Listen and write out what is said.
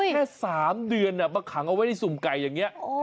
แค่๓เดือนมาขังเอาไว้ในสุ่มไก่อย่างนี้